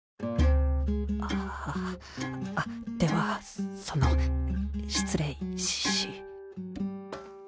あではその失礼し。